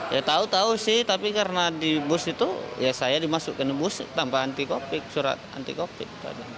ya tahu tahu sih tapi karena di bus itu ya saya dimasukkan di bus tanpa antikopik surat antikopik